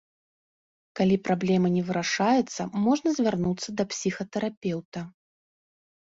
Калі праблема не вырашаецца, можна звярнуцца да псіхатэрапеўта.